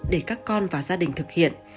để các con và gia đình thực hiện